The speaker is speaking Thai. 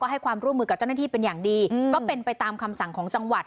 ให้ความร่วมมือกับเจ้าหน้าที่เป็นอย่างดีก็เป็นไปตามคำสั่งของจังหวัด